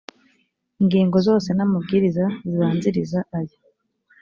ingingo zose n amabwiriza zibanziriza aya